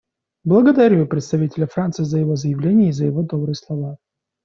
Благодарю представителя Франции за его заявление и за его добрые слова.